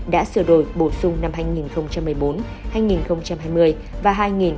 đã sửa đổi bổ sung năm hai nghìn một mươi bốn hai nghìn hai mươi và hai nghìn hai mươi